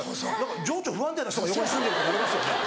「情緒不安定な人が横に住んでる」ってなりますよね。